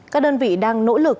các đơn vị đang nỗ lực